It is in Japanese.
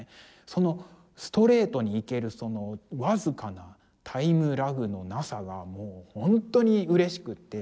そのストレートにいけるその僅かなタイムラグの無さがもう本当にうれしくって。